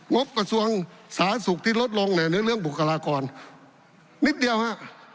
งบกระทรวงสาสุขที่ลดลงในเรื่องบุคลากรนิดเดียวฮะ